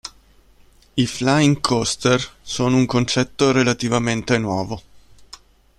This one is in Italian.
I flying coaster sono un concetto relativamente nuovo.